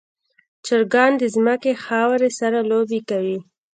چرګان د ځمکې خاورې سره لوبې کوي.